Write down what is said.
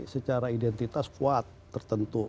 secara identitas kuat tertentu